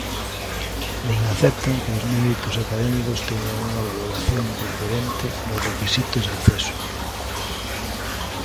Nin aceptan que os méritos académicos teñan unha valoración preferente nos requisitos de acceso.